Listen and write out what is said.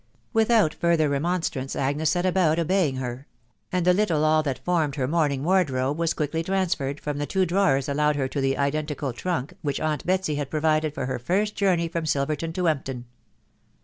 n Without further remonstrance Agnes set about obeying her ; and the little all that formed her mourning wardrobe was quickly transferred from the two drawers allowed her to the identical trunk which aunt Betsy had provided for her first journey from Silverton to Empton.